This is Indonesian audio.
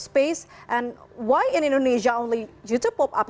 dan mengapa di indonesia hanya ada tempat pop up youtube